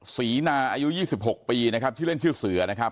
สีนาอายุยี่สิบหกปีนะครับที่เล่นชื่อเสือนะครับ